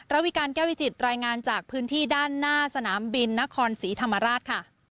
วิการแก้ววิจิตรายงานจากพื้นที่ด้านหน้าสนามบินนครศรีธรรมราชค่ะ